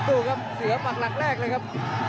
ดูครับเสือปักหลักแรกเลยครับ